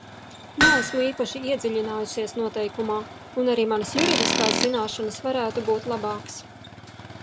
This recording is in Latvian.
Neesmu īpaši iedziļinājusies noteikumā un arī manas juridiskās zināšanas varētu būt labākas.